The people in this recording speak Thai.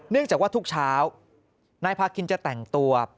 จากว่าทุกเช้านายพาคินจะแต่งตัว